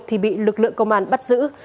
thì bị lực lượng công an bắt giữ